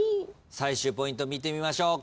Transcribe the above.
最終ポイント見てみましょう。